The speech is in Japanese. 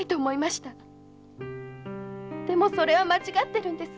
でもそれは間違っているんです！